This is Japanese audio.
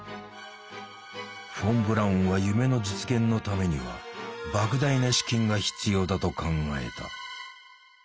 フォン・ブラウンは夢の実現のためにはばく大な資金が必要だと考えた。